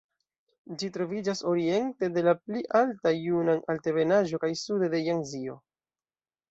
Ĝi troviĝas oriente de la pli alta Junan-Altebenaĵo kaj sude de Jangzio.